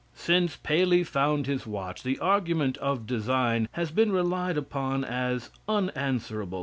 Since Paley found his watch, the argument of "design" has been relied upon as unanswerable.